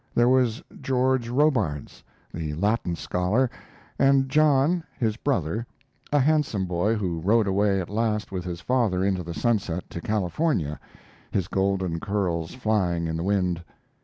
There was George Robards, the Latin scholar, and John, his brother, a handsome boy, who rode away at last with his father into the sunset, to California, his golden curls flying in the wind.